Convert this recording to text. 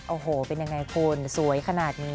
โอ้โหเป็นยังไงคุณสวยขนาดนี้